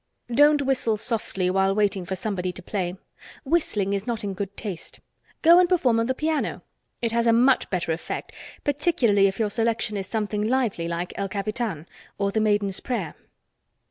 Don't whistle softly while waiting for somebody to play. Whistling is not in good taste. Go and perform on the piano. It has a much better effect, particularly if your selection is something lively, like "El Capitan" or "The Maiden's Prayer."